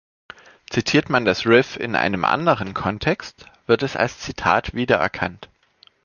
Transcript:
Zitiert man das Riff in einem anderen Kontext, wird es als Zitat wiedererkannt.